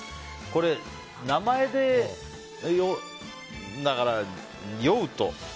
これ名前で、酔うと。